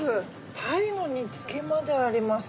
鯛の煮付けまであります。